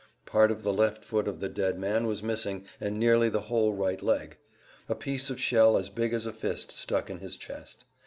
Part of the left foot of the dead man was missing and nearly the whole right leg; a piece of shell as big as a fist stuck in his chest.